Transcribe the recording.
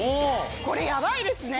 これヤバいですね！